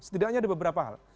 setidaknya ada beberapa hal